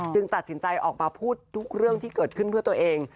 ตัดสินใจออกมาพูดทุกเรื่องที่เกิดขึ้นเพื่อตัวเอง